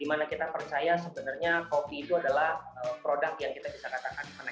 dimana kita percaya sebenarnya kopi itu adalah produk yang kita bisa katakan